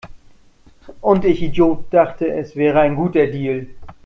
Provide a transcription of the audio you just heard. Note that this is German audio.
Und ich Idiot dachte, es wäre ein guter Deal!